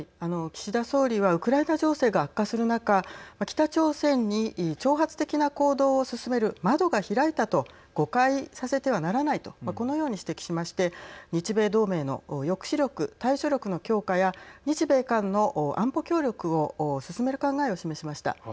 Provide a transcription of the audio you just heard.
岸田総理はウクライナ情勢が悪化する中北朝鮮に挑発的な行動を進める窓が開いたと誤解させてはならないとこのように指摘しまして日米同盟の抑止力・対処力の強化や日米間の安保協力を進める考えを示しました。